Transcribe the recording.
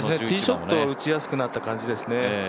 ティーショットは打ちやすくなった感じですね。